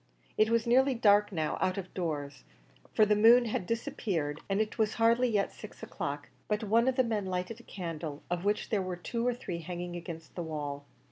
It was nearly dark now out of doors, for the moon had disappeared, and it was hardly yet six o'clock; but one of the men lighted a candle, of which there were two or three hanging against the wall.